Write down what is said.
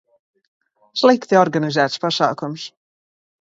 Slikti organizēts pasākums